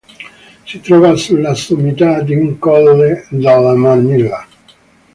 Si trova sulla sommità di un colle della Marmilla.